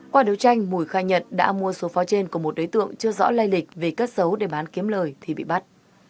qua đấu tranh mùi khai nhận đã mua số pháo trên của một đối tượng chưa rõ lây lịch về cất xấu để bán kiếm lời thì bị bắt